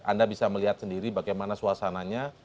anda bisa melihat sendiri bagaimana suasananya